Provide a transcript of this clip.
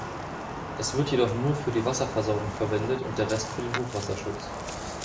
Es wird jedoch nur für die Wasserversorgung verwendet und der Rest für den Hochwasserschutz.